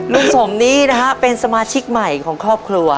ลุงสมนี้นะฮะเป็นสมาชิกใหม่ของครอบครัว